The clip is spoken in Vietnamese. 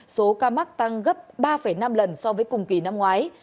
số ca mắc tăng gấp ba năm lần so với cùng kỳ năm ngoái